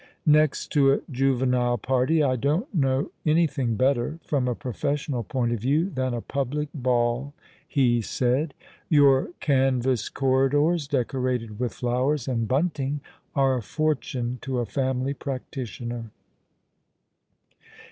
" Next to a juvenile party, I don't know anything better — from a professional point of view— than a public ball," ho *' The Child cheek blushing Scarlet!^ 65 said. "Your canvas corridors, decorated v.itli Cowers and bunting, are a fortune to a family practitioner."